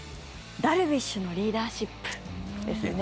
ダルビッシュのリーダーシップですよね。